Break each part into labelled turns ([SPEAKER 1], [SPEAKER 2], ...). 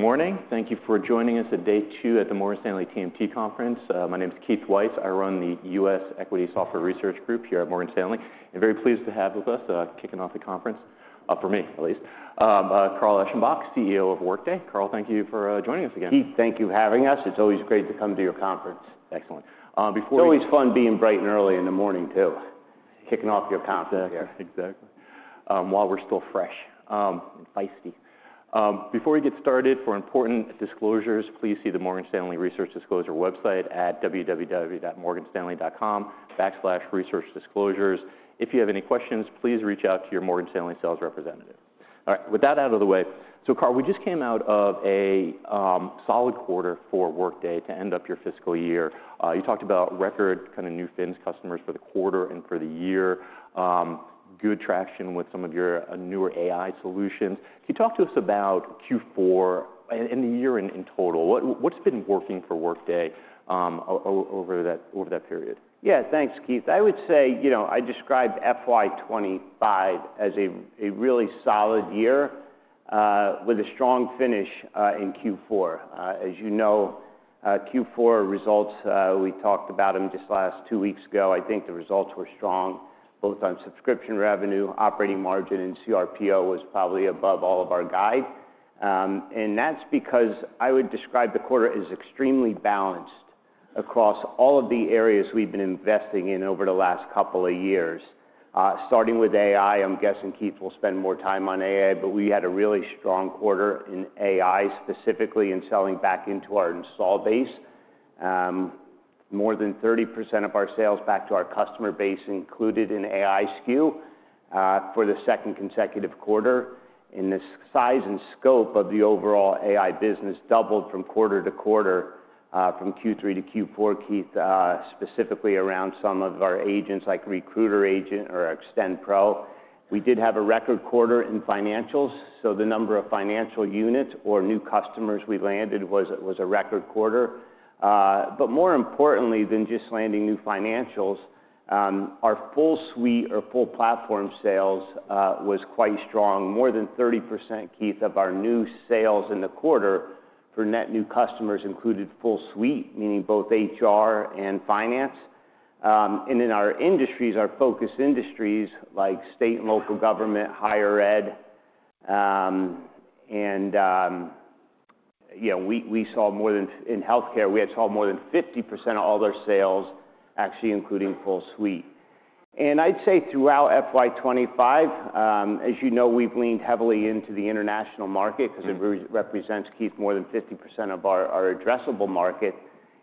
[SPEAKER 1] Good morning. Thank you for joining us at day two at the Morgan Stanley TMT Conference. My name is Keith Weiss. I run the U.S. Equity Software Research Group here at Morgan Stanley. I'm very pleased to have with us, kicking off the conference, for me at least, Carl Eschenbach, CEO of Workday. Carl, thank you for joining us again.
[SPEAKER 2] Keith, thank you for having us. It's always great to come to your conference.
[SPEAKER 1] Excellent.
[SPEAKER 2] It's always fun being bright and early in the morning, too, kicking off your conference.
[SPEAKER 1] Exactly.
[SPEAKER 2] While we're still fresh.
[SPEAKER 1] Feisty. Before we get started, for important disclosures, please see the Morgan Stanley Research Disclosure website at www.morganstanley.com/researchdisclosures. If you have any questions, please reach out to your Morgan Stanley sales representative. All right. With that out of the way, so Carl, we just came out of a solid quarter for Workday to end of your fiscal year. You talked about record kind of new FINS customers for the quarter and for the year, good traction with some of your newer AI solutions. Can you talk to us about Q4 and the year in total? What's been working for Workday over that period?
[SPEAKER 2] Yeah, thanks, Keith. I would say, you know, I described FY 2025 as a really solid year with a strong finish in Q4. As you know, Q4 results, we talked about them just last two weeks ago. I think the results were strong, both on subscription revenue, operating margin, and cRPO was probably above all of our guide. And that's because I would describe the quarter as extremely balanced across all of the areas we've been investing in over the last couple of years, starting with AI. I'm guessing, Keith, we'll spend more time on AI, but we had a really strong quarter in AI, specifically in selling back into our install base. More than 30% of our sales back to our customer base included an AI SKU for the second consecutive quarter. And the size and scope of the overall AI business doubled from quarter to quarter, from Q3 to Q4, Keith, specifically around some of our agents, like Recruiter Agent or Extend Pro. We did have a record quarter in financials, so the number of financial units or new customers we landed was a record quarter. But more importantly than just landing new financials, our full suite or full platform sales was quite strong. More than 30%, Keith, of our new sales in the quarter for net new customers included full suite, meaning both HR and finance. And in our industries, our focus industries like state and local government, higher ed, and, you know, we saw more than in healthcare, we had saw more than 50% of all their sales, actually including full suite. And I'd say throughout FY 2025, as you know, we've leaned heavily into the international market because it represents, Keith, more than 50% of our addressable market.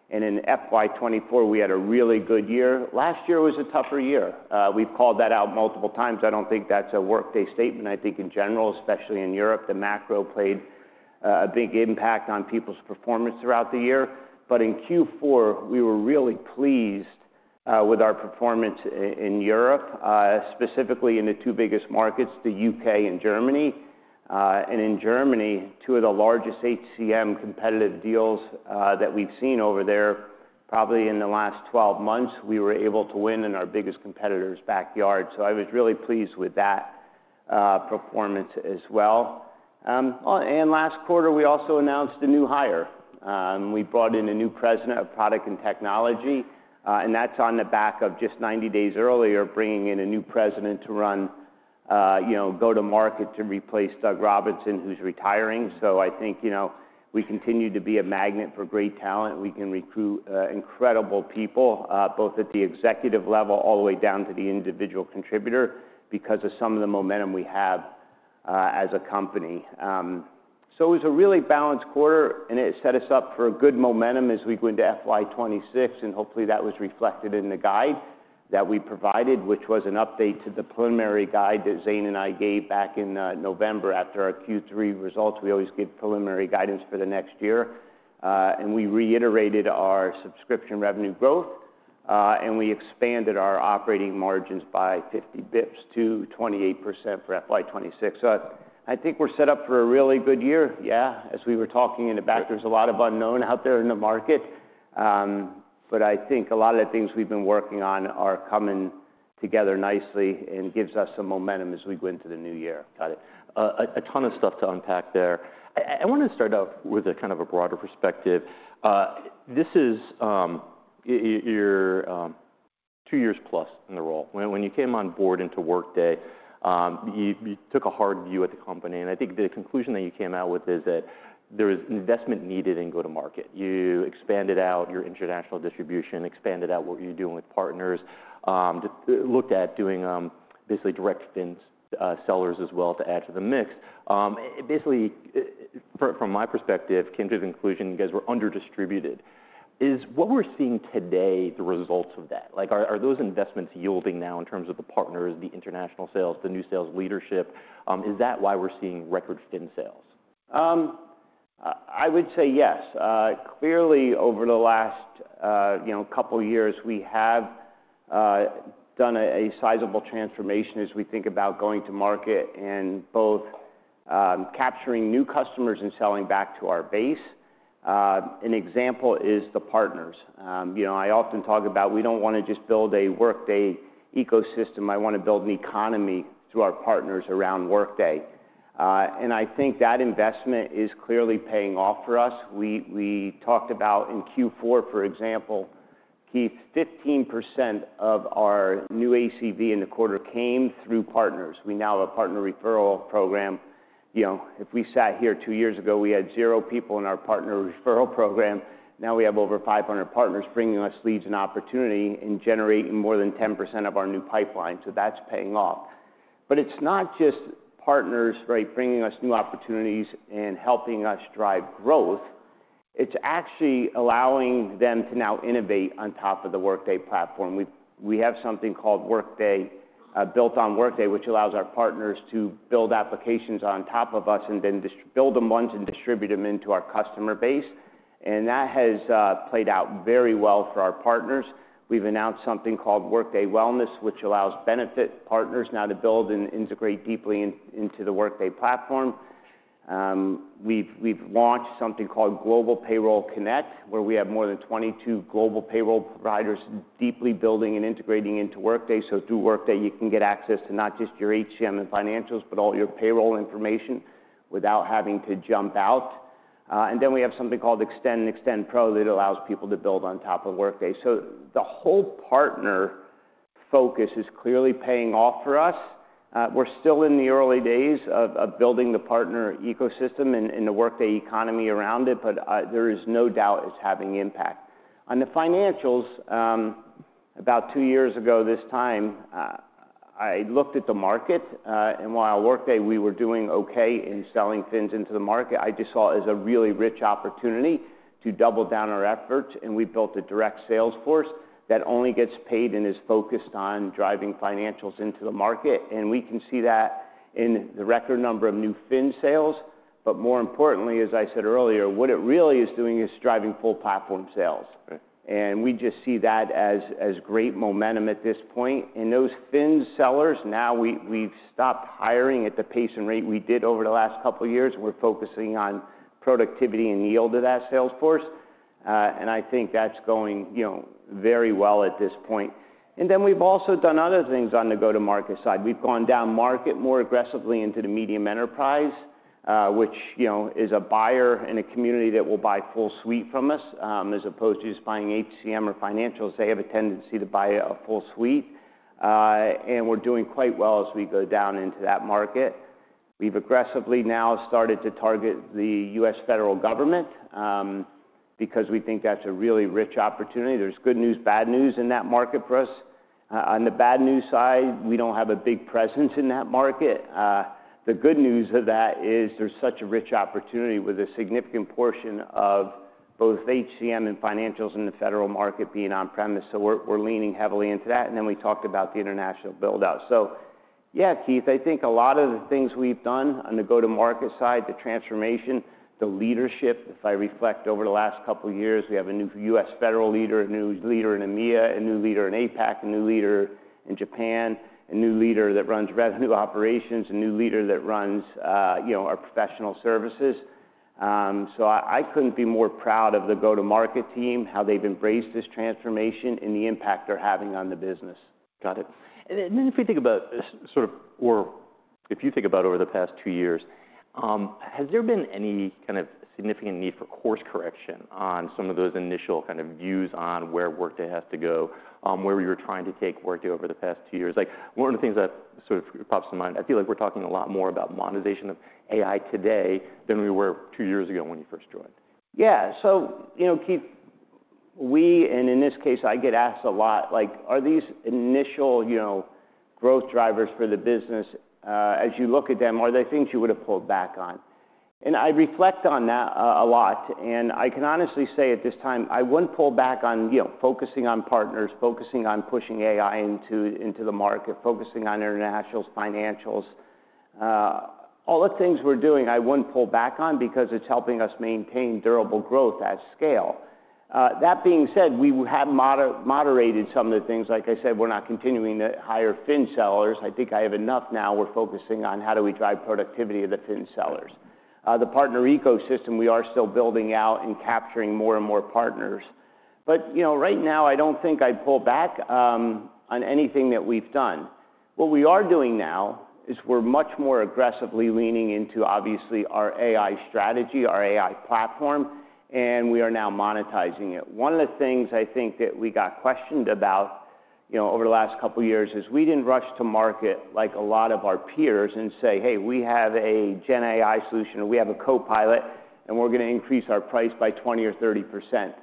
[SPEAKER 2] And in FY 2024, we had a really good year. Last year was a tougher year. We've called that out multiple times. I don't think that's a Workday statement. I think in general, especially in Europe, the macro played a big impact on people's performance throughout the year. But in Q4, we were really pleased with our performance in Europe, specifically in the two biggest markets, the U.K. and Germany. And in Germany, two of the largest HCM competitive deals that we've seen over there, probably in the last 12 months, we were able to win in our biggest competitor's backyard. So I was really pleased with that performance as well. And last quarter, we also announced a new hire. We brought in a new president of product and technology, and that's on the back of just 90 days earlier, bringing in a new president to run, you know, go to market to replace Doug Robinson, who's retiring. So I think, you know, we continue to be a magnet for great talent. We can recruit incredible people, both at the executive level all the way down to the individual contributor because of some of the momentum we have as a company. So it was a really balanced quarter, and it set us up for good momentum as we went to FY 2026, and hopefully that was reflected in the guide that we provided, which was an update to the preliminary guide that Zane and I gave back in November after our Q3 results. We always give preliminary guidance for the next year. And we reiterated our subscription revenue growth, and we expanded our operating margins by 50 basis points to 28% for FY 2026. So I think we're set up for a really good year. Yeah, as we were talking in the back, there's a lot of unknown out there in the market, but I think a lot of the things we've been working on are coming together nicely and give us some momentum as we go into the new year.
[SPEAKER 1] Got it. A ton of stuff to unpack there. I want to start off with a kind of a broader perspective. This is your two years plus in the role. When you came on board into Workday, you took a hard view at the company. And I think the conclusion that you came out with is that there was investment needed in go-to-market. You expanded out your international distribution, expanded out what you're doing with partners, looked at doing basically direct FINS sellers as well to add to the mix. Basically, from my perspective, came to the conclusion you guys were under-distributed. Is what we're seeing today the results of that? Like, are those investments yielding now in terms of the partners, the international sales, the new sales leadership? Is that why we're seeing record FINS sales?
[SPEAKER 2] I would say yes. Clearly, over the last, you know, couple of years, we have done a sizable transformation as we think about going to market and both capturing new customers and selling back to our base. An example is the partners. You know, I often talk about we don't want to just build a Workday ecosystem. I want to build an economy through our partners around Workday. And I think that investment is clearly paying off for us. We talked about in Q4, for example, Keith, 15% of our new ACV in the quarter came through partners. We now have a partner referral program. You know, if we sat here two years ago, we had zero people in our partner referral program. Now we have over 500 partners bringing us leads and opportunity and generating more than 10% of our new pipeline. So that's paying off. But it's not just partners, right, bringing us new opportunities and helping us drive growth. It's actually allowing them to now innovate on top of the Workday platform. We have something called Built on Workday, which allows our partners to build applications on top of us and then build them once and distribute them into our customer base. And that has played out very well for our partners. We've announced something called Workday Wellness, which allows benefit partners now to build and integrate deeply into the Workday platform. We've launched something called Global Payroll Connect, where we have more than 22 global payroll providers deeply building and integrating into Workday. So through Workday, you can get access to not just your HCM and financials, but all your payroll information without having to jump out. We have something called Extend and Extend Pro that allows people to build on top of Workday. The whole partner focus is clearly paying off for us. We're still in the early days of building the partner ecosystem and the Workday economy around it, but there is no doubt it's having impact. On the financials, about two years ago this time, I looked at the market, and while Workday, we were doing okay in selling FINS into the market, I just saw it as a really rich opportunity to double down our efforts. We built a direct sales force that only gets paid and is focused on driving financials into the market. We can see that in the record number of new FINS sales. More importantly, as I said earlier, what it really is doing is driving full platform sales. And we just see that as great momentum at this point. And those FINS sellers, now we've stopped hiring at the pace and rate we did over the last couple of years. We're focusing on productivity and yield of that sales force. And I think that's going, you know, very well at this point. And then we've also done other things on the go-to-market side. We've gone down market more aggressively into the medium enterprise, which, you know, is a buyer in a community that will buy full suite from us as opposed to just buying HCM or financials. They have a tendency to buy a full suite. And we're doing quite well as we go down into that market. We've aggressively now started to target the U.S. federal government because we think that's a really rich opportunity. There's good news, bad news in that market for us. On the bad news side, we don't have a big presence in that market. The good news of that is there's such a rich opportunity with a significant portion of both HCM and financials in the federal market being on-premise. So we're leaning heavily into that. And then we talked about the international build-out. So yeah, Keith, I think a lot of the things we've done on the go-to-market side, the transformation, the leadership, if I reflect over the last couple of years, we have a new U.S. federal leader, a new leader in EMEA, a new leader in APAC, a new leader in Japan, a new leader that runs revenue operations, a new leader that runs, you know, our professional services. So I couldn't be more proud of the go-to-market team, how they've embraced this transformation and the impact they're having on the business.
[SPEAKER 1] Got it. And then if we think about sort of, or if you think about over the past two years, has there been any kind of significant need for course correction on some of those initial kind of views on where Workday has to go, where you were trying to take Workday over the past two years? Like, one of the things that sort of pops to mind, I feel like we're talking a lot more about monetization of AI today than we were two years ago when you first joined.
[SPEAKER 2] Yeah. So, you know, Keith, we, and in this case, I get asked a lot, like, are these initial, you know, growth drivers for the business, as you look at them, are there things you would have pulled back on? And I reflect on that a lot. And I can honestly say at this time, I wouldn't pull back on, you know, focusing on partners, focusing on pushing AI into the market, focusing on internationals, financials, all the things we're doing, I wouldn't pull back on because it's helping us maintain durable growth at scale. That being said, we have moderated some of the things. Like I said, we're not continuing to hire FINS sellers. I think I have enough now. We're focusing on how do we drive productivity of the FINS sellers. The partner ecosystem, we are still building out and capturing more and more partners. but, you know, right now, I don't think I'd pull back on anything that we've done. What we are doing now is we're much more aggressively leaning into, obviously, our AI strategy, our AI platform, and we are now monetizing it. One of the things I think that we got questioned about, you know, over the last couple of years is we didn't rush to market like a lot of our peers and say, "Hey, we have a GenAI solution, we have a copilot, and we're going to increase our price by 20% or 30%."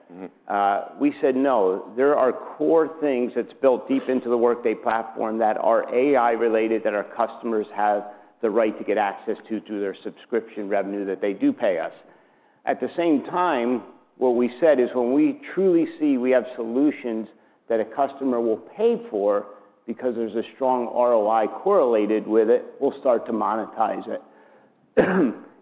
[SPEAKER 2] We said, "No. There are core things that's built deep into the Workday platform that are AI-related that our customers have the right to get access to through their subscription revenue that they do pay us. At the same time, what we said is when we truly see we have solutions that a customer will pay for because there's a strong ROI correlated with it, we'll start to monetize it.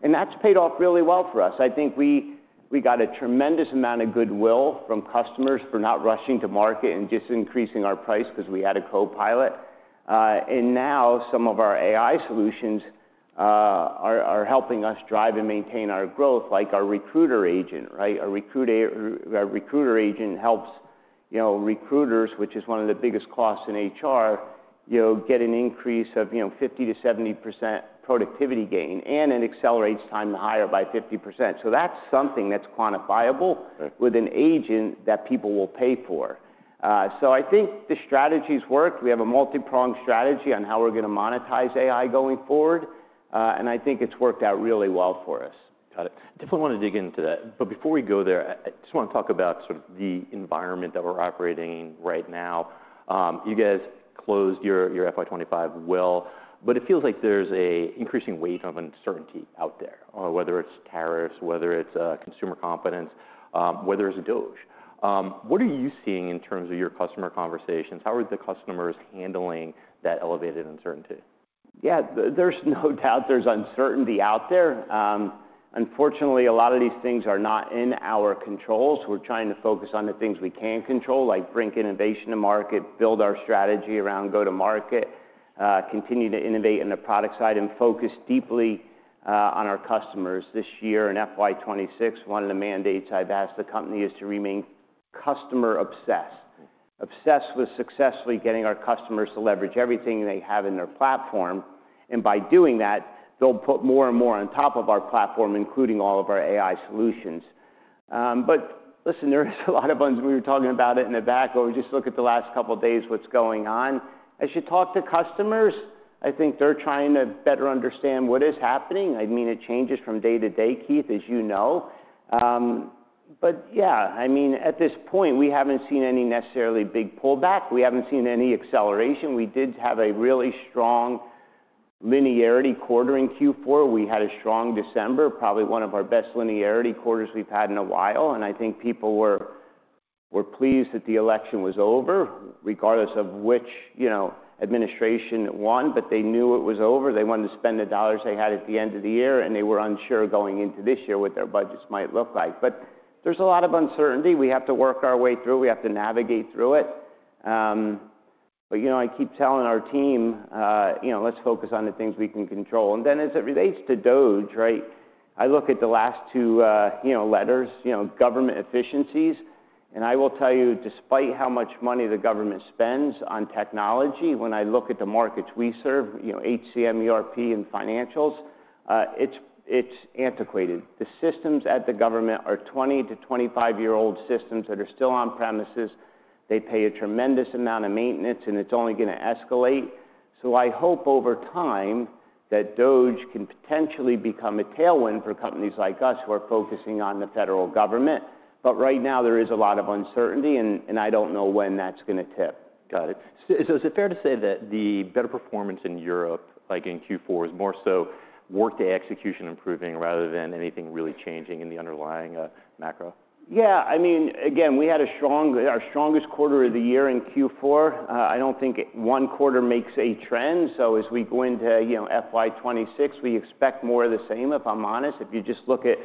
[SPEAKER 2] And that's paid off really well for us. I think we got a tremendous amount of goodwill from customers for not rushing to market and just increasing our price because we had a copilot. And now some of our AI solutions are helping us drive and maintain our growth, like our Recruiter Agent, right? Our Recruiter Agent helps, you know, recruiters, which is one of the biggest costs in HR, you know, get an increase of, you know, 50%-70% productivity gain and it accelerates time to hire by 50%. So that's something that's quantifiable with an agent that people will pay for. So I think the strategy's worked. We have a multi-pronged strategy on how we're going to monetize AI going forward. And I think it's worked out really well for us.
[SPEAKER 1] Got it. Definitely want to dig into that. But before we go there, I just want to talk about sort of the environment that we're operating in right now. You guys closed your FY 2025 well, but it feels like there's an increasing weight of uncertainty out there, whether it's tariffs, whether it's consumer confidence, whether it's DOGE. What are you seeing in terms of your customer conversations? How are the customers handling that elevated uncertainty?
[SPEAKER 2] Yeah, there's no doubt there's uncertainty out there. Unfortunately, a lot of these things are not in our control. So we're trying to focus on the things we can control, like bring innovation to market, build our strategy around go-to-market, continue to innovate on the product side, and focus deeply on our customers. This year in FY 2026, one of the mandates I've asked the company is to remain customer-obsessed, obsessed with successfully getting our customers to leverage everything they have in their platform. And by doing that, they'll put more and more on top of our platform, including all of our AI solutions. But listen, there is a lot of, we were talking about it in the back, but we just look at the last couple of days, what's going on. As you talk to customers, I think they're trying to better understand what is happening. I mean, it changes from day to day, Keith, as you know. But yeah, I mean, at this point, we haven't seen any necessarily big pullback. We haven't seen any acceleration. We did have a really strong linearity quarter in Q4. We had a strong December, probably one of our best linearity quarters we've had in a while. And I think people were pleased that the election was over, regardless of which, you know, administration won, but they knew it was over. They wanted to spend the dollars they had at the end of the year, and they were unsure going into this year what their budgets might look like. But there's a lot of uncertainty. We have to work our way through. We have to navigate through it. But, you know, I keep telling our team, you know, let's focus on the things we can control. And then as it relates to DOGE, right, I look at the last two, you know, letters, you know, government efficiencies. And I will tell you, despite how much money the government spends on technology, when I look at the markets we serve, you know, HCM, ERP, and financials, it's antiquated. The systems at the government are 20-25-year-old systems that are still on-premises. They pay a tremendous amount of maintenance, and it's only going to escalate. So I hope over time that DOGE can potentially become a tailwind for companies like us who are focusing on the federal government. But right now, there is a lot of uncertainty, and I don't know when that's going to tip.
[SPEAKER 1] Got it, so is it fair to say that the better performance in Europe, like in Q4, is more so Workday execution improving rather than anything really changing in the underlying macro?
[SPEAKER 2] Yeah. I mean, again, we had a strong, our strongest quarter of the year in Q4. I don't think one quarter makes a trend. So as we go into, you know, FY 2026, we expect more of the same, if I'm honest. If you just look at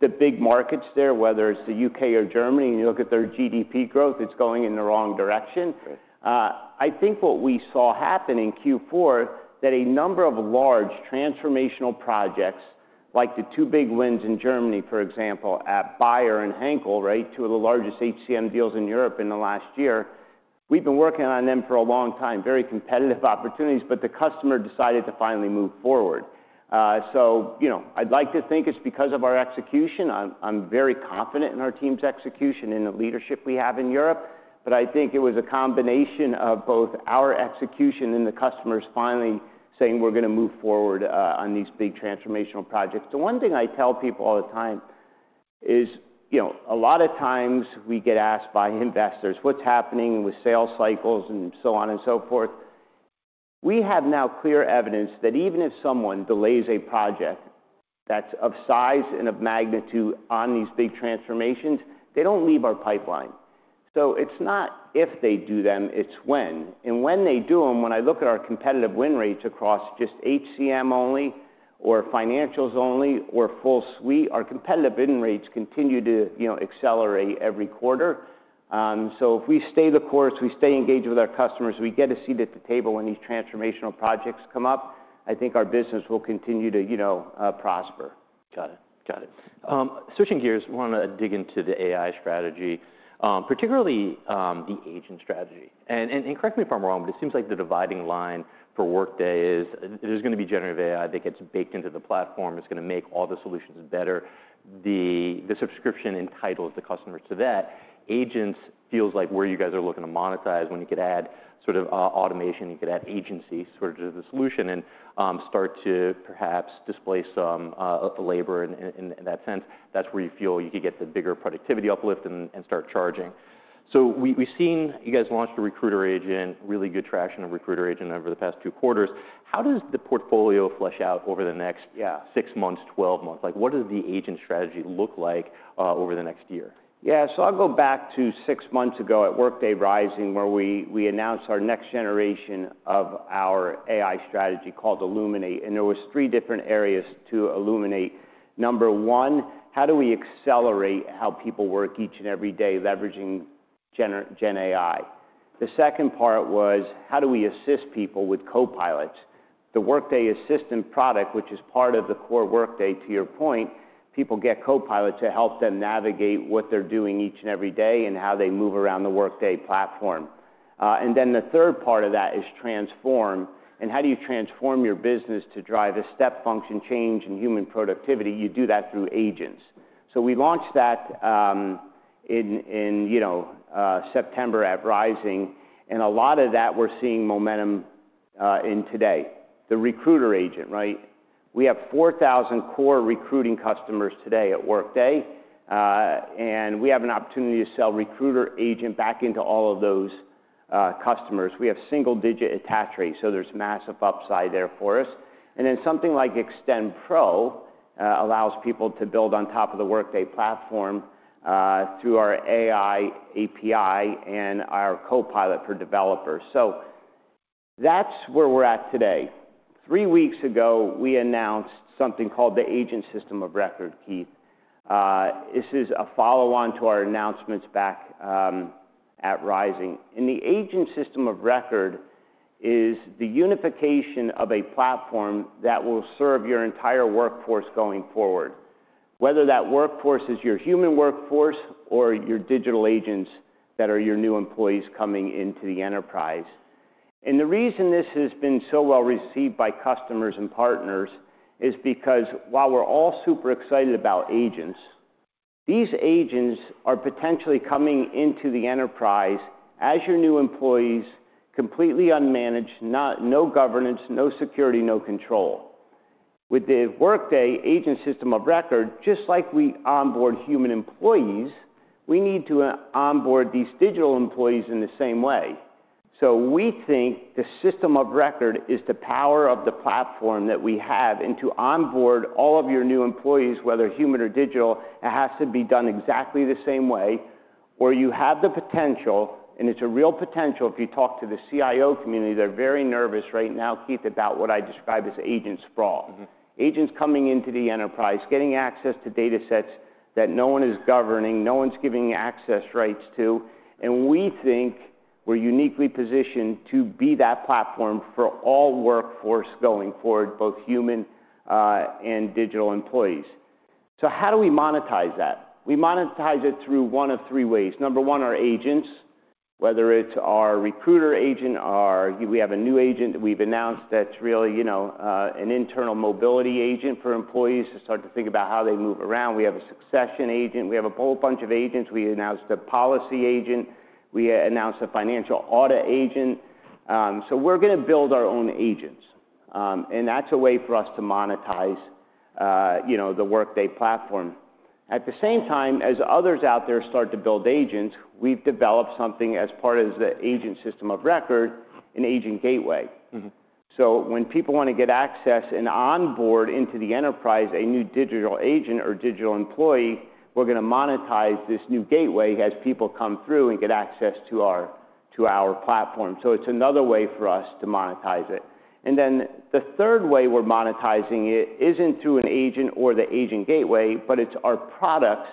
[SPEAKER 2] the big markets there, whether it's the U.K. or Germany, and you look at their GDP growth, it's going in the wrong direction. I think what we saw happen in Q4, that a number of large transformational projects, like the two big wins in Germany, for example, at Bayer and Henkel, right, two of the largest HCM deals in Europe in the last year, we've been working on them for a long time, very competitive opportunities, but the customer decided to finally move forward. So, you know, I'd like to think it's because of our execution. I'm very confident in our team's execution and the leadership we have in Europe. But I think it was a combination of both our execution and the customers finally saying we're going to move forward on these big transformational projects. The one thing I tell people all the time is, you know, a lot of times we get asked by investors, what's happening with sales cycles and so on and so forth. We have now clear evidence that even if someone delays a project that's of size and of magnitude on these big transformations, they don't leave our pipeline. So it's not if they do them, it's when. And when they do them, when I look at our competitive win rates across just HCM only or financials only or full suite, our competitive win rates continue to, you know, accelerate every quarter. So if we stay the course, we stay engaged with our customers, we get a seat at the table when these transformational projects come up, I think our business will continue to, you know, prosper.
[SPEAKER 1] Got it. Got it. Switching gears, I want to dig into the AI strategy, particularly the agent strategy, and correct me if I'm wrong, but it seems like the dividing line for Workday is there's going to be generative AI that gets baked into the platform. It's going to make all the solutions better. The subscription entitles the customers to that. Agents feels like where you guys are looking to monetize when you could add sort of automation, you could add agency sort of to the solution and start to perhaps display some labor in that sense. That's where you feel you could get the bigger productivity uplift and start charging. So we've seen you guys launched a Recruiter Agent, really good traction of Recruiter Agent over the past two quarters. How does the portfolio flesh out over the next, yeah, six months, 12 months? Like, what does the agent strategy look like over the next year?
[SPEAKER 2] Yeah. So I'll go back to six months ago at Workday Rising, where we announced our next generation of our AI strategy called Illuminate, and there were three different areas to Illuminate. Number one, how do we accelerate how people work each and every day leveraging GenAI? The second part was how do we assist people with copilots? The Workday Assistant product, which is part of the core Workday, to your point, people get copilots to help them navigate what they're doing each and every day and how they move around the Workday platform, and then the third part of that is transform, and how do you transform your business to drive a step function change in human productivity? You do that through agents, so we launched that in, you know, September at Rising, and a lot of that we're seeing momentum in today. The Recruiter Agent, right? We have 4,000 core recruiting customers today at Workday, and we have an opportunity to sell Recruiter Agent back into all of those customers. We have single-digit attach rate, so there's massive upside there for us, and then something like Extend Pro allows people to build on top of the Workday platform through our AI API and our Copilot for developers, so that's where we're at today. Three weeks ago, we announced something called the Agent System of Record, Keith. This is a follow-on to our announcements back at Rising, and the Agent System of Record is the unification of a platform that will serve your entire workforce going forward, whether that workforce is your human workforce or your digital agents that are your new employees coming into the enterprise. And the reason this has been so well received by customers and partners is because while we're all super excited about agents, these agents are potentially coming into the enterprise as your new employees, completely unmanaged, no governance, no security, no control. With the Workday Agent System of Record, just like we onboard human employees, we need to onboard these digital employees in the same way. So we think the system of record is the power of the platform that we have and to onboard all of your new employees, whether human or digital, it has to be done exactly the same way where you have the potential, and it's a real potential. If you talk to the CIO community, they're very nervous right now, Keith, about what I describe as agent sprawl. Agents coming into the enterprise, getting access to datasets that no one is governing, no one's giving access rights to. And we think we're uniquely positioned to be that platform for all workforce going forward, both human and digital employees. So how do we monetize that? We monetize it through one of three ways. Number one, our agents, whether it's our Recruiter Agent, we have a new agent that we've announced that's really, you know, an Internal Mobility Agent for employees to start to think about how they move around. We have a Succession Agent. We have a whole bunch of agents. We announced a Policy Agent. We announced a Financial Audit Agent. So we're going to build our own agents. And that's a way for us to monetize, you know, the Workday platform. At the same time, as others out there start to build agents, we've developed something as part of the Agent System of Record, an Agent Gateway. So when people want to get access and onboard into the enterprise, a new digital agent or digital employee, we're going to monetize this new gateway as people come through and get access to our platform. So it's another way for us to monetize it. And then the third way we're monetizing it isn't through an agent or the Agent Gateway, but it's our products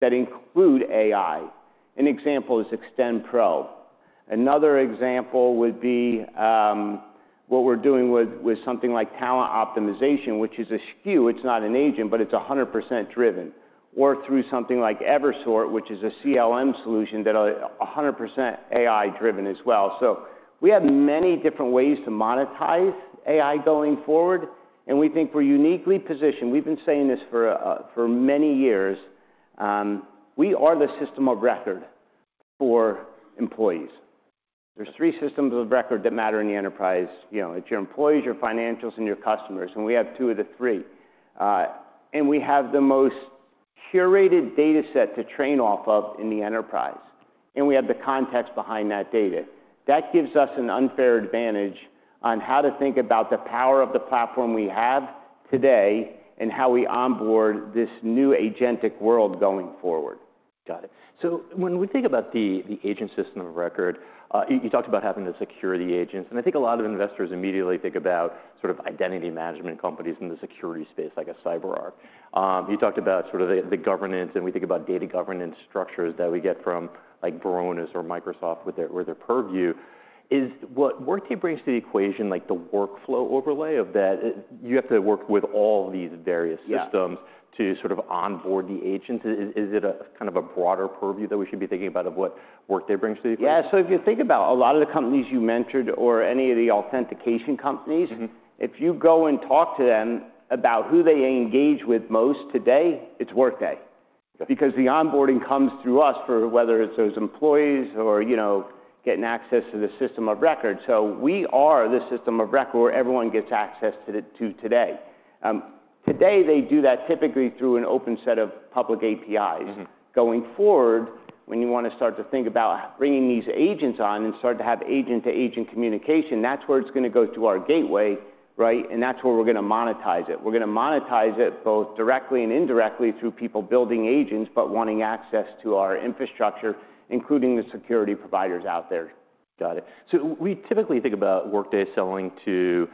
[SPEAKER 2] that include AI. An example is Extend Pro. Another example would be what we're doing with something like Talent Optimization, which is a SKU. It's not an agent, but it's 100% driven or through something like Evisort, which is a CLM solution that are 100% AI driven as well. So we have many different ways to monetize AI going forward. And we think we're uniquely positioned. We've been saying this for many years. We are the system of record for employees. There's three systems of record that matter in the enterprise. You know, it's your employees, your financials, and your customers. And we have two of the three. And we have the most curated dataset to train off of in the enterprise. And we have the context behind that data. That gives us an unfair advantage on how to think about the power of the platform we have today and how we onboard this new agentic world going forward.
[SPEAKER 1] Got it. So when we think about the Agent System of Record, you talked about having the security agents. And I think a lot of investors immediately think about sort of identity management companies in the security space, like a CyberArk. You talked about sort of the governance, and we think about data governance structures that we get from like Varonis or Microsoft with their Purview. Is what Workday brings to the equation, like the workflow overlay of that, you have to work with all these various systems to sort of onboard the agents. Is it a kind of a broader Purview that we should be thinking about of what Workday brings to the equation?
[SPEAKER 2] Yeah. So if you think about a lot of the companies you mentored or any of the authentication companies, if you go and talk to them about who they engage with most today, it's Workday. Because the onboarding comes through us for whether it's those employees or, you know, getting access to the system of record. So we are the system of record where everyone gets access to it today. Today, they do that typically through an open set of public APIs. Going forward, when you want to start to think about bringing these agents on and start to have agent-to-agent communication, that's where it's going to go through our gateway, right? And that's where we're going to monetize it. We're going to monetize it both directly and indirectly through people building agents, but wanting access to our infrastructure, including the security providers out there.
[SPEAKER 1] Got it. So we typically think about Workday selling to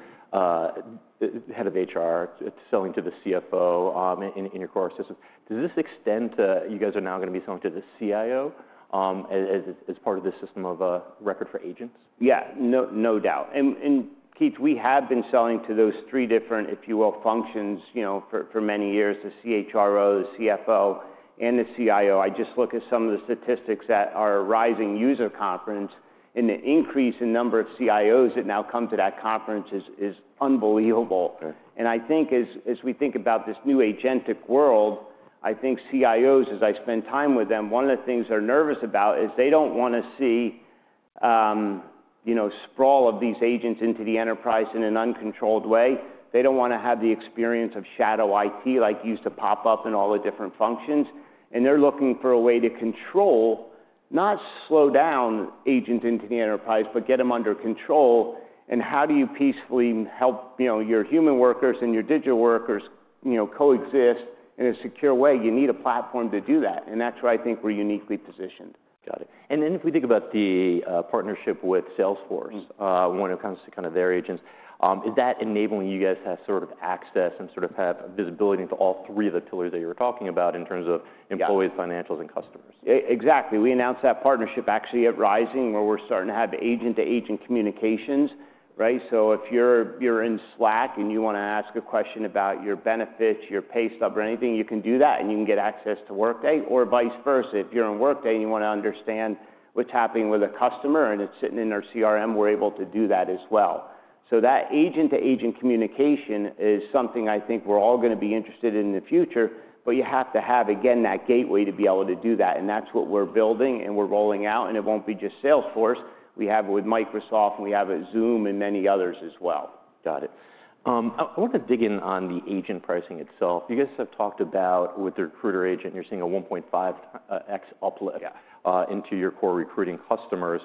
[SPEAKER 1] head of HR, selling to the CFO in your core system. Does this extend to you guys are now going to be selling to the CIO as part of the system of record for agents?
[SPEAKER 2] Yeah, no doubt. And Keith, we have been selling to those three different, if you will, functions, you know, for many years, the CHRO, the CFO, and the CIO. I just look at some of the statistics at our Rising User Conference, and the increase in number of CIOs that now come to that conference is unbelievable. And I think as we think about this new agentic world, I think CIOs, as I spend time with them, one of the things they're nervous about is they don't want to see, you know, sprawl of these agents into the enterprise in an uncontrolled way. They don't want to have the experience of shadow IT, like used to pop up in all the different functions. And they're looking for a way to control, not slow down agents into the enterprise, but get them under control. How do you peacefully help, you know, your human workers and your digital workers, you know, coexist in a secure way? You need a platform to do that. That's where I think we're uniquely positioned.
[SPEAKER 1] Got it. And then if we think about the partnership with Salesforce, when it comes to kind of their agents, is that enabling you guys to sort of access and sort of have visibility into all three of the pillars that you were talking about in terms of employees, financials, and customers?
[SPEAKER 2] Exactly. We announced that partnership actually at Rising, where we're starting to have agent-to-agent communications, right? So if you're in Slack and you want to ask a question about your benefits, your pay stub, or anything, you can do that, and you can get access to Workday or vice versa. If you're in Workday and you want to understand what's happening with a customer and it's sitting in our CRM, we're able to do that as well. So that agent-to-agent communication is something I think we're all going to be interested in in the future, but you have to have, again, that gateway to be able to do that. And that's what we're building and we're rolling out. And it won't be just Salesforce. We have with Microsoft, and we have at Zoom and many others as well.
[SPEAKER 1] Got it. I want to dig in on the agent pricing itself. You guys have talked about with the Recruiter Agent, you're seeing a 1.5x uplift into your core recruiting customers.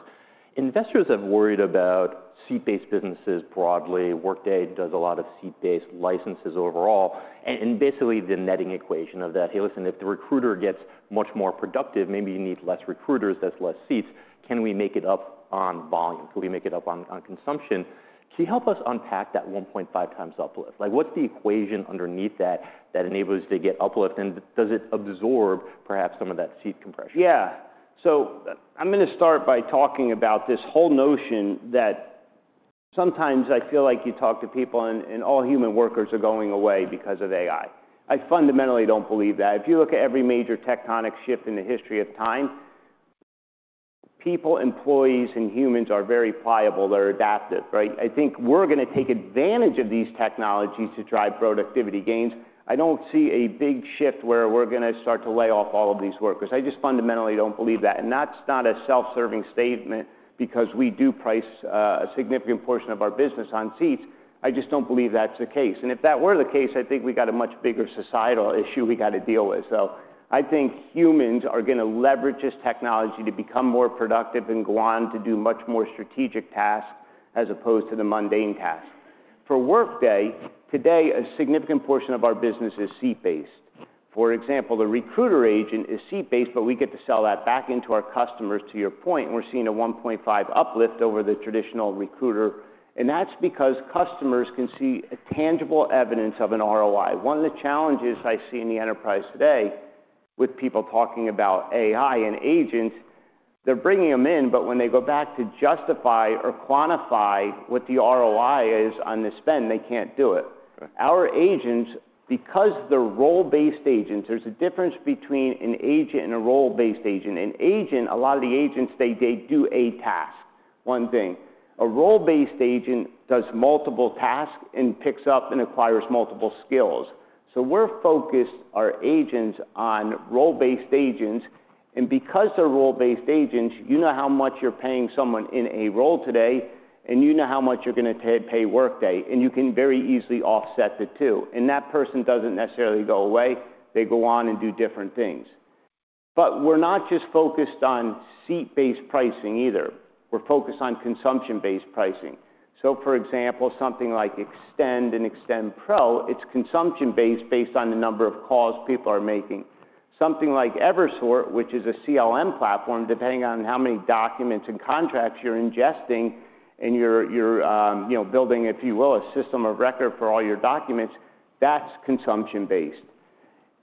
[SPEAKER 1] Investors have worried about seat-based businesses broadly. Workday does a lot of seat-based licenses overall. And basically the netting equation of that, hey, listen, if the recruiter gets much more productive, maybe you need less recruiters, that's less seats. Can we make it up on volume? Can we make it up on consumption? Can you help us unpack that 1.5 times uplift? Like, what's the equation underneath that that enables you to get uplift? And does it absorb perhaps some of that seat compression?
[SPEAKER 2] Yeah. So I'm going to start by talking about this whole notion that sometimes I feel like you talk to people and all human workers are going away because of AI. I fundamentally don't believe that. If you look at every major tectonic shift in the history of time, people, employees, and humans are very pliable. They're adaptive, right? I think we're going to take advantage of these technologies to drive productivity gains. I don't see a big shift where we're going to start to lay off all of these workers. I just fundamentally don't believe that. And that's not a self-serving statement because we do price a significant portion of our business on seats. I just don't believe that's the case. And if that were the case, I think we got a much bigger societal issue we got to deal with. So I think humans are going to leverage this technology to become more productive and go on to do much more strategic tasks as opposed to the mundane tasks. For Workday, today, a significant portion of our business is seat-based. For example, the Recruiter Agent is seat-based, but we get to sell that back into our customers. To your point, we're seeing a 1.5 uplift over the traditional recruiter. And that's because customers can see tangible evidence of an ROI. One of the challenges I see in the enterprise today with people talking about AI and agents, they're bringing them in, but when they go back to justify or quantify what the ROI is on the spend, they can't do it. Our agents, because they're role-based agents, there's a difference between an agent and a role-based agent. An agent, a lot of the agents, they do a task, one thing. A role-based agent does multiple tasks and picks up and acquires multiple skills. So we're focusing our agents on role-based agents. And because they're role-based agents, you know how much you're paying someone in a role today, and you know how much you're going to pay Workday. And you can very easily offset the two. And that person doesn't necessarily go away. They go on and do different things. But we're not just focused on seat-based pricing either. We're focused on consumption-based pricing. So for example, something like Extend and Extend Pro, it's consumption-based on the number of calls people are making. Something like Evisort, which is a CLM platform, depending on how many documents and contracts you're ingesting and you're building, if you will, a system of record for all your documents, that's consumption-based.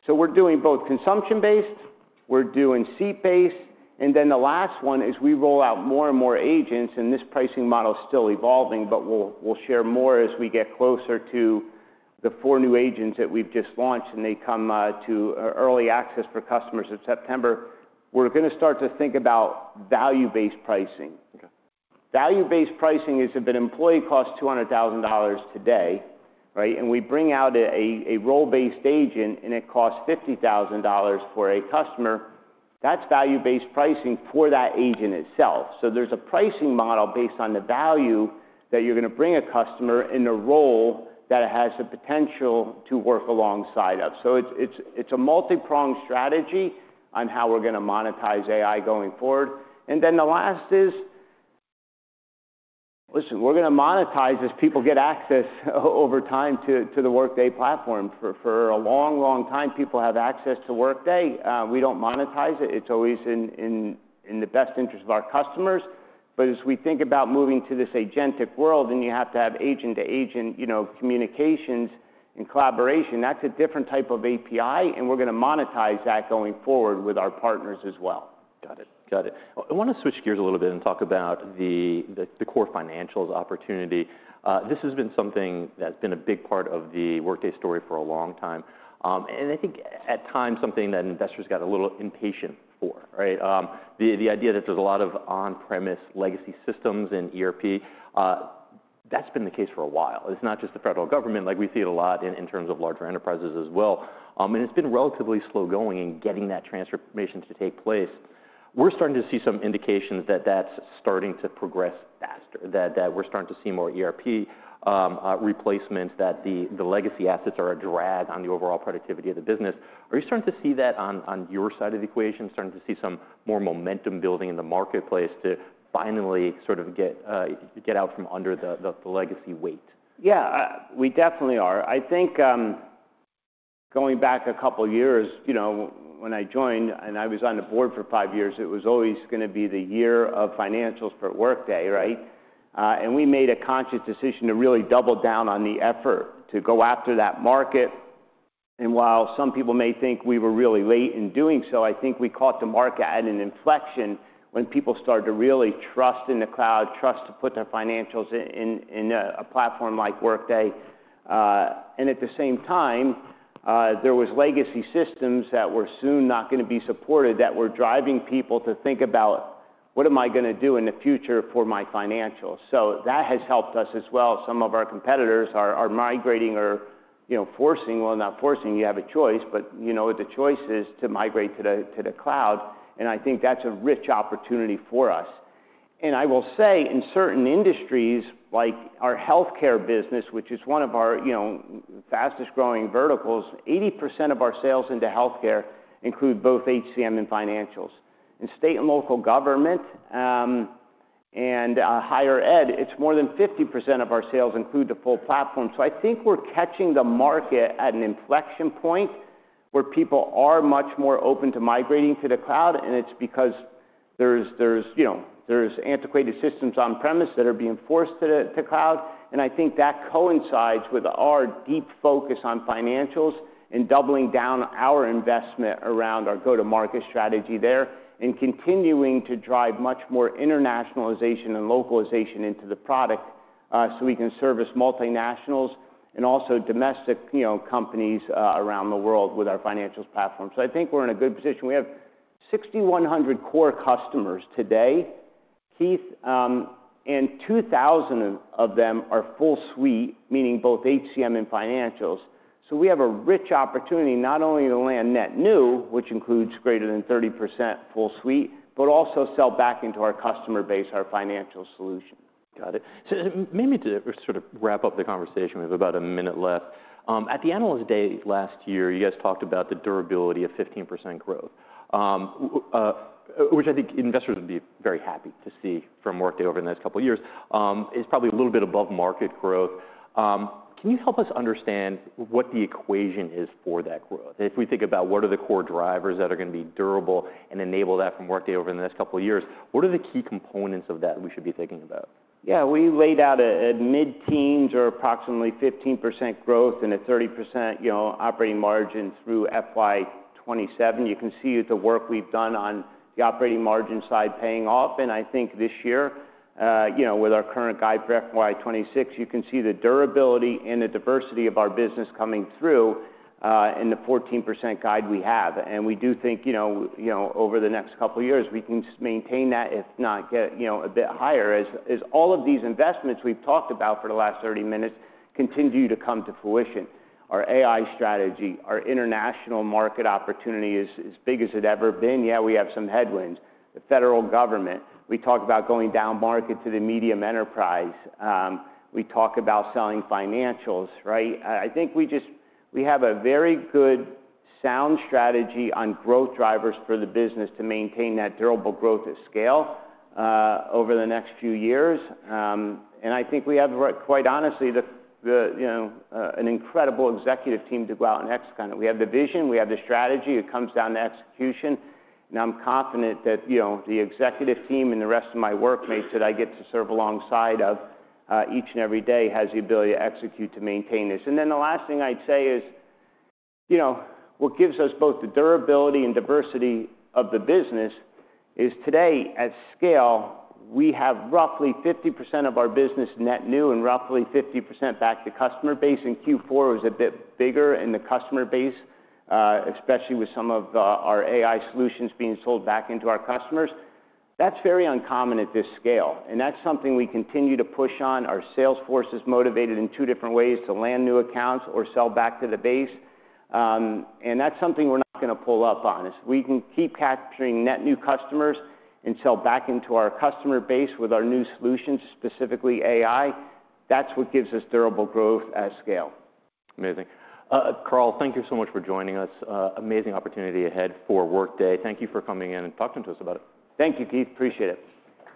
[SPEAKER 2] So we're doing both consumption-based, we're doing seat-based. And then the last one is we roll out more and more agents, and this pricing model is still evolving, but we'll share more as we get closer to the four new agents that we've just launched, and they come to early access for customers in September. We're going to start to think about value-based pricing. Value-based pricing is if an employee costs $200,000 today, right? And we bring out a role-based agent, and it costs $50,000 for a customer. That's value-based pricing for that agent itself. So there's a pricing model based on the value that you're going to bring a customer in a role that it has the potential to work alongside of. So it's a multi-pronged strategy on how we're going to monetize AI going forward. And then the last is, listen, we're going to monetize as people get access over time to the Workday platform. For a long, long time, people have access to Workday. We don't monetize it. It's always in the best interest of our customers. But as we think about moving to this agentic world, and you have to have agent-to-agent, you know, communications and collaboration, that's a different type of API, and we're going to monetize that going forward with our partners as well.
[SPEAKER 1] Got it. Got it. I want to switch gears a little bit and talk about the core financials opportunity. This has been something that's been a big part of the Workday story for a long time. And I think at times something that investors got a little impatient for, right? The idea that there's a lot of on-premise legacy systems and ERP, that's been the case for a while. It's not just the federal government like we see it a lot in terms of larger enterprises as well. And it's been relatively slow going in getting that transformation to take place. We're starting to see some indications that that's starting to progress faster, that we're starting to see more ERP replacements, that the legacy assets are a drag on the overall productivity of the business. Are you starting to see that on your side of the equation, starting to see some more momentum building in the marketplace to finally sort of get out from under the legacy weight?
[SPEAKER 2] Yeah, we definitely are. I think going back a couple of years, you know, when I joined and I was on the board for five years, it was always going to be the year of financials for Workday, right? And we made a conscious decision to really double down on the effort to go after that market. And while some people may think we were really late in doing so, I think we caught the market at an inflection when people started to really trust in the cloud, trust to put their financials in a platform like Workday. And at the same time, there were legacy systems that were soon not going to be supported that were driving people to think about, what am I going to do in the future for my financials? So that has helped us as well. Some of our competitors are migrating or, you know, forcing, well, not forcing, you have a choice, but you know, the choice is to migrate to the cloud, and I think that's a rich opportunity for us, and I will say in certain industries, like our healthcare business, which is one of our, you know, fastest growing verticals, 80% of our sales into healthcare include both HCM and financials. In state and local government and higher ed, it's more than 50% of our sales include the full platform, so I think we're catching the market at an inflection point where people are much more open to migrating to the cloud, and it's because there's, you know, there's antiquated systems on-premise that are being forced to the cloud. I think that coincides with our deep focus on financials and doubling down our investment around our go-to-market strategy there and continuing to drive much more internationalization and localization into the product so we can service multinationals and also domestic, you know, companies around the world with our financials platform. I think we're in a good position. We have 6,100 core customers today, Keith, and 2,000 of them are full suite, meaning both HCM and financials. We have a rich opportunity not only to land net new, which includes greater than 30% full suite, but also sell back into our customer base, our financial solution.
[SPEAKER 1] Got it. So maybe to sort of wrap up the conversation, we have about a minute left. At the Analyst Day last year, you guys talked about the durability of 15% growth, which I think investors would be very happy to see from Workday over the next couple of years. It's probably a little bit above market growth. Can you help us understand what the equation is for that growth? If we think about what are the core drivers that are going to be durable and enable that from Workday over the next couple of years, what are the key components of that we should be thinking about?
[SPEAKER 2] Yeah, we laid out a mid-teens or approximately 15% growth and a 30%, you know, operating margin through FY 2027. You can see the work we've done on the operating margin side paying off. And I think this year, you know, with our current guide for FY 2026, you can see the durability and the diversity of our business coming through in the 14% guide we have. And we do think, you know, over the next couple of years, we can maintain that, if not get, you know, a bit higher as all of these investments we've talked about for the last 30 minutes continue to come to fruition. Our AI strategy, our international market opportunity is as big as it ever been. Yeah, we have some headwinds. The federal government, we talk about going down market to the medium enterprise. We talk about selling financials, right? I think we just we have a very good sound strategy on growth drivers for the business to maintain that durable growth at scale over the next few years. I think we have, quite honestly, the, you know, an incredible executive team to go out and execute on it. We have the vision, we have the strategy, it comes down to execution. I'm confident that, you know, the executive team and the rest of my workmates that I get to serve alongside of each and every day has the ability to execute to maintain this. The last thing I'd say is, you know, what gives us both the durability and diversity of the business is today at scale, we have roughly 50% of our business net new and roughly 50% back to customer base. And Q4 was a bit bigger in the customer base, especially with some of our AI solutions being sold back into our customers. That's very uncommon at this scale. And that's something we continue to push on. Our sales force is motivated in two different ways to land new accounts or sell back to the base. And that's something we're not going to pull up on. If we can keep capturing net new customers and sell back into our customer base with our new solutions, specifically AI, that's what gives us durable growth at scale.
[SPEAKER 1] Amazing. Carl, thank you so much for joining us. Amazing opportunity ahead for Workday. Thank you for coming in and talking to us about it.
[SPEAKER 2] Thank you, Keith. Appreciate it.